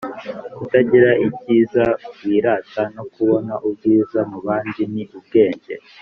Kutagira icyiza wirata no kubona ubwiza mu bandi ni ubwenge